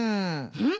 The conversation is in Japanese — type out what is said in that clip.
うん？